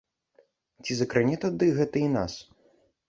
Ці закране тады гэта і нас?